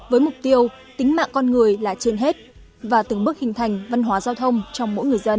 với mục tiêu tính mạng con người là trên hết và từng bước hình thành văn hóa giao thông trong mỗi người dân